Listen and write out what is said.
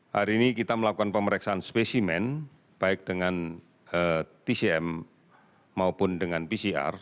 hari ini kita melakukan pemeriksaan spesimen baik dengan tcm maupun dengan pcr